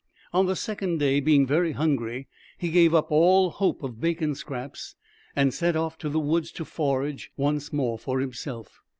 On the second day, being very hungry, he gave up all hope of bacon scraps, and set off to the woods to forage once more for himself.